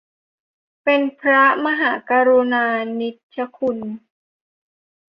เป็นพระมหากรุณานิชคุณ